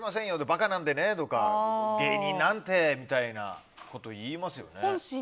バカなんでねとか芸人なんてみたいなこと言いますよね。